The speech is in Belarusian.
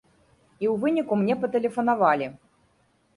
І ў выніку мне патэлефанавалі.